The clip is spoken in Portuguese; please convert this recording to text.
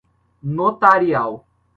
notarial